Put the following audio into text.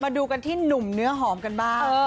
ดูกันที่หนุ่มเนื้อหอมกันบ้าง